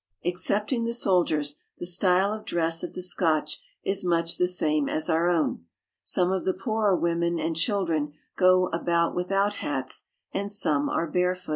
Excepting the soldiers, the style of dress of the Scotch is much the same as our own. Some of the poorer women and children go about without hats, and some are barefooted.